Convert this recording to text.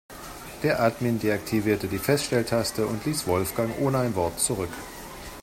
Der Admin deaktivierte die Feststelltaste und ließ Wolfgang ohne ein Wort zurück.